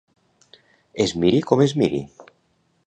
Es miri com es miri.